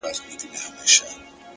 • نه خبر په پاچهي نه په تدبير وو,